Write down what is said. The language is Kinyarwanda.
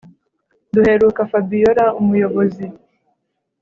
duheruka fabiora umuyobozi